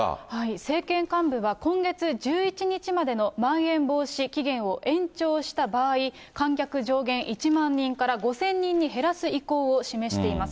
政権幹部は、今月１１日までのまん延防止期限を延長した場合、観客上限１万人から５０００人に減らす意向を示しています。